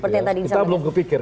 kita belum kepikir